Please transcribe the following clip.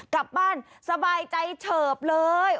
กลับบ้านสบายใจเฉิบเลย